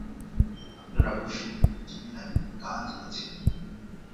আপনারা বসুন, আমি চলিলাম–একটু কাজ আছে।